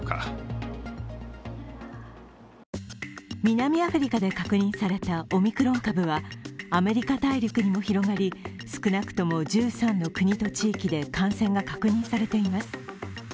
南アフリカで確認されたオミクロン株はアメリカ大陸にも広がり少なくとも１３の国と地域で感染が確認されています。